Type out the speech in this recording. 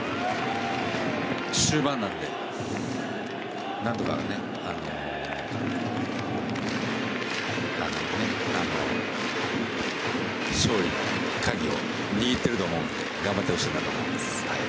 終盤なので、何とか勝利の鍵を握っていると思うので頑張ってほしいなと思います。